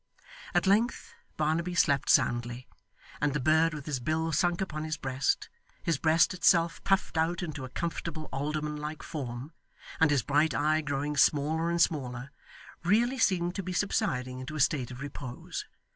At length Barnaby slept soundly, and the bird with his bill sunk upon his breast, his breast itself puffed out into a comfortable alderman like form, and his bright eye growing smaller and smaller, really seemed to be subsiding into a state of repose.